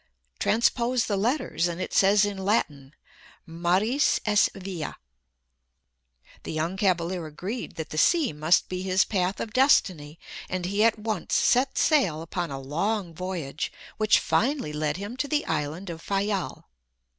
Transpose the letters and it says in Latin, Maris es via." The young cavalier agreed that the sea must be his path of destiny and he at once set sail upon a long voyage which finally led him to the island of Fayal.